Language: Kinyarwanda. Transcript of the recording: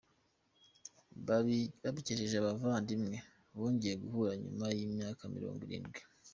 Babikesheje abavandimwe bongeye guhura nyuma y’imyaka mirongwirindwi